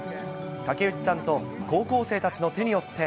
竹内さんと高校生たちの手によって。